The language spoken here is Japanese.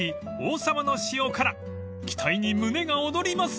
［期待に胸が躍ります］